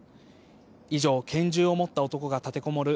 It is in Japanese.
以上、拳銃を持った男が立てこもる